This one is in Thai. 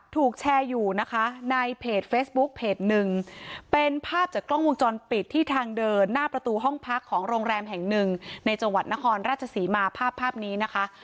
ถูกแชร์อยู่นะคะในเพจเฟซบุ๊กเพจหนึ่งเป็นภาพจากกล้องวงจรปิดที่ทางเดินหน้าประตูห้องพักของโรงแรมแห่งหนึ่งในจังหวัดนครราชศรีมาภาพภาพนี้นะคะ